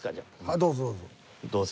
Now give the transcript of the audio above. どうぞどうぞ。